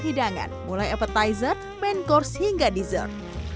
hidangan mulai appetizer main course hingga dessert